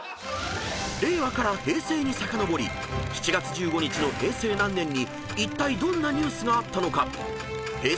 ［令和から平成にさかのぼり７月１５日の平成何年にいったいどんなニュースがあったのかＨｅｙ！